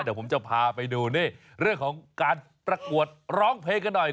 เดี๋ยวพาไปดูเรื่องของการประกวดร้องเผยส์